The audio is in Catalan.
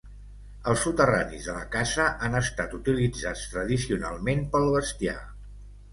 Els soterranis de la casa han estat utilitzats tradicionalment pel bestiar.